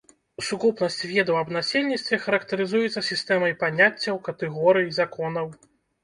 Сукупнасць ведаў аб насельніцтве характарызуецца сістэмай паняццяў, катэгорый, законаў.